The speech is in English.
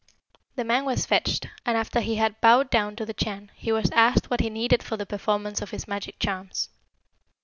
"The man was fetched, and after he had bowed down to the Chan, he was asked what he needed for the performance of his magic charms.